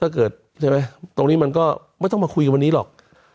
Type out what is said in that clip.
เกิดใช่ไหมตรงนี้มันก็ไม่ต้องมาคุยกันวันนี้หรอก